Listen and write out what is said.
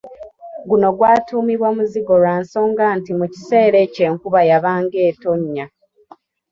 Guno gwatuumibwa Muzigo lwa nsonga nti mu kiseera ekyo enkuba yabanga etonnya.